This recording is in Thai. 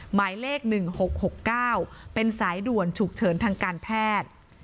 หมายเลข๑๖๖๙เป็นสายด่วนฉุกเฉินทางการแพทย์